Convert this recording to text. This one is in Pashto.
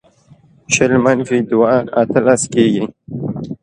شل منفي دوه؛ اتلس کېږي.